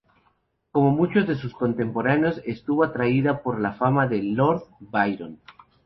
Como muchos de sus contemporáneos, estuvo atraída por la fama de Lord Byron.